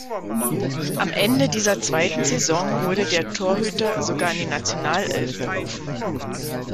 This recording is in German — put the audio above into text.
Am Ende dieser zweiten Saison wurde der Torhüter sogar in die Nationalelf berufen.